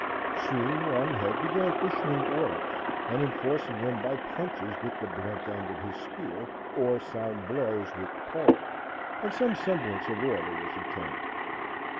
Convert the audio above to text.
Soon Longhead began issuing orders and enforcing them by punches with the blunt end of his spear or sound blows with the pole, and some semblance of order was obtained.